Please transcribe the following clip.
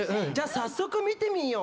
早速、見てみよう！